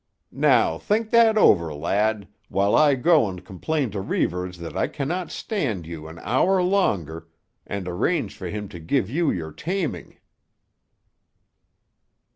Now think that over, lad, while I go and complain to Reivers that I can not stand you an hour longer, and arrange for him to give you your taming."